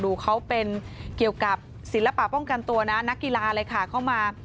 ดูเขาเป็นเกี่ยวกับศิลปะป้องกันตัวนะนักกีฬาเลยค่ะเข้ามา